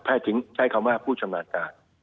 ถึงใช้คำว่าผู้ชำนาญการ